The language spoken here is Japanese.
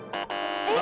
え！